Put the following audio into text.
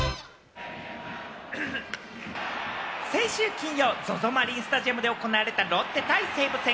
先週金曜、ＺＯＺＯマリンスタジアムで行われたロッテ対西武戦。